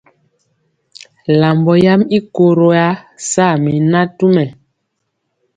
Lambɔ yam i koro ya saa mi natumɛ.